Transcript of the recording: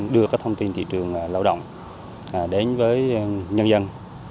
đưa các thông tin thị trường lao động đến với nhân dân